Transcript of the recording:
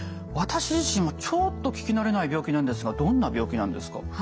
私自身はちょっと聞き慣れない病気なんですがどんな病気なんですか？